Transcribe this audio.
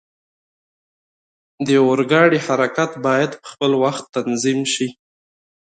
د اورګاډي حرکت باید په وخت تنظیم شي.